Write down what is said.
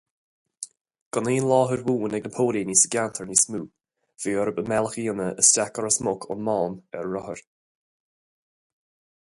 Gan aon láthair bhuan ag na póilíní sa gceantar níos mó, bhí orthu a mbealach a dhéanamh isteach go Ros Muc ón Mám ar rothair.